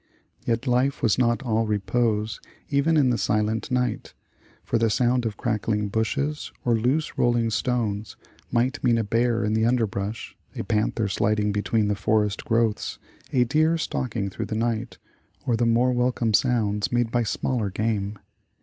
Yet life was not all repose even in the silent night, for the sound of crackling bushes, or loose rolling stones, might mean a bear in the underbrush, a panther sliding between the forest growths, a deer stalking through the night, or the more welcome sounds made by smaller game.